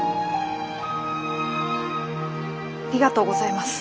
ありがとうございます。